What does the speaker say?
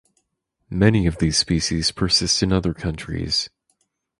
Many of these species persist in other countries.